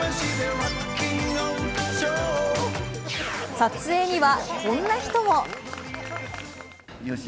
撮影には、こんな人も。